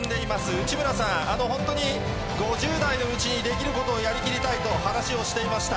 内村さん、本当に５０代のうちにできることをやりきりたいと話をしていました。